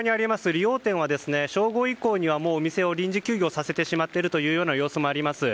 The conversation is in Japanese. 理容店は正午以降にはもう店を臨時休業させてしまっているという様子もあります。